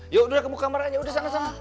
yaudah kamu ke kamar aja udah sana sana